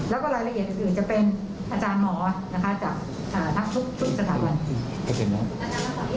แล้วก็รายละเอียดอื่นจะเป็นอาจารย์หมอนะคะ